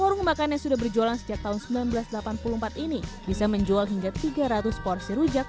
warung makan yang sudah berjualan sejak tahun seribu sembilan ratus delapan puluh empat ini bisa menjual hingga tiga ratus porsi rujak